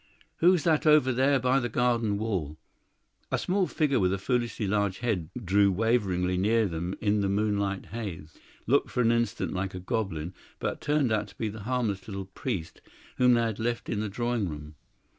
Who's that over there by the garden wall!" A small figure with a foolishly large head drew waveringly near them in the moonlit haze; looked for an instant like a goblin, but turned out to be the harmless little priest whom they had left in the drawing room.